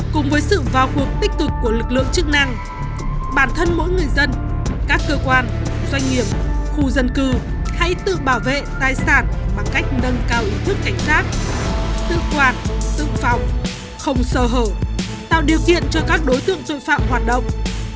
cùng với sự vào cuộc tích cực của lực lượng chức năng bản thân mỗi người dân các cơ quan doanh nghiệp khu dân cư hãy tự bảo vệ tài sản bằng cách nâng cao ý thức cảnh sát tự quản tự phòng không sơ hở tạo điều kiện cho các đối tượng tội phạm hoạt động